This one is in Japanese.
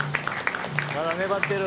まだ粘ってる。